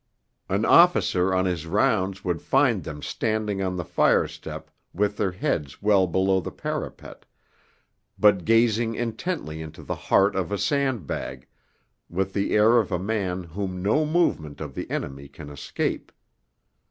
An officer on his rounds would find them standing on the firestep with their heads well below the parapet, but gazing intently into the heart of a sand bag, with the air of a man whom no movement of the enemy can escape.